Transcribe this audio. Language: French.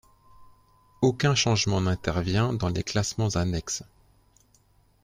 Aucun changement n'intervient dans les classements annexes.